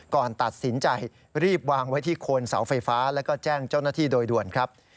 ก่อนตัดสินใจรีบวางไว้ที่โคนเสาไฟฟ้าแล้วก็แจ้งเจ้าหน้าที่โดยด่วนครับ